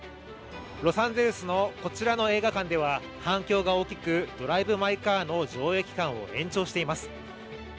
ロサンゼルスのこちらの映画館では反響が大きく「ドライブ・マイ・カー」の上映期間を延長しています。